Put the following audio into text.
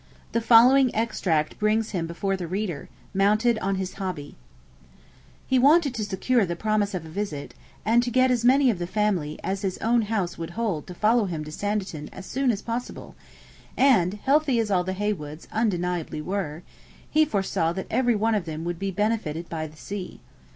The following extract brings him before the reader, mounted on his hobby: 'He wanted to secure the promise of a visit, and to get as many of the family as his own house would hold to follow him to Sanditon as soon as possible; and, healthy as all the Heywoods undeniably were, he foresaw that every one of them would be benefitted by the sea.